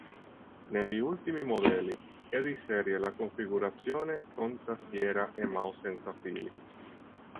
Negli ultimi modelli è di serie la configurazione con tastiera e mouse senza fili.